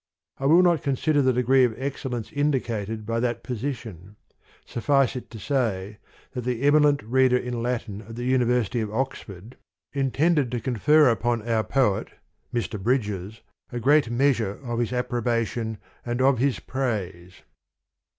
" I will not consider the degree of excellence indicated by that position : suffice it to say, that the eminent Reader in Latin at the University of Oxford intended to confer upon our V THE POEMS OF MR. BRIDGES. poet, Mr. Bridges, a great measure of his approbation and of his praise.